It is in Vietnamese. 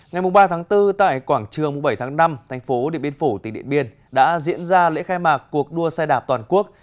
ngày ba bốn tại quảng trường bảy tháng năm thành phố điện biên phủ tỉnh điện biên đã diễn ra lễ khai mạc cuộc đua xe đạp toàn quốc